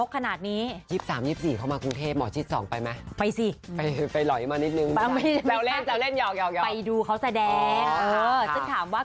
อันนี้เพิ่งเปิดค่ะมาเป็นปีกนกขนาดนี้